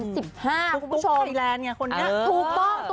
ตุ๊กไทยแลนด์ไงคนนี้